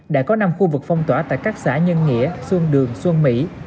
đã có năm khu vực phong tỏa tại các xã nhân nghĩa xuân đường xuân mỹ